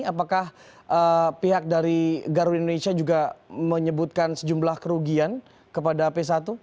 apakah pihak dari garuda indonesia juga menyebutkan sejumlah kerugian kepada p satu